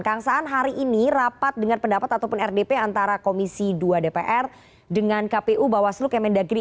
kang saan hari ini rapat dengan pendapat ataupun rdp antara komisi dua dpr dengan kpu bawaslu kemendagri